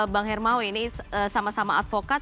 bang hermawi ini sama sama advokat